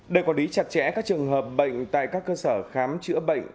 để quản lý chặt chẽ các trường hợp bệnh tại các cơ sở khám chữa bệnh